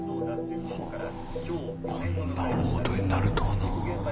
ハァこんな大ごとになるとはなあ